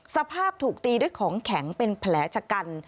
สภาพถูกตีด้วยของแข็งเป็นแผลชะกัน